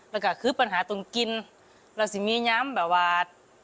แล้วก็คือปัญหาตรงกินแล้วสิมีย้ำแบบว่า